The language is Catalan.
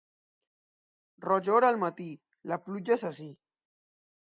Rojor al matí, la pluja és ací.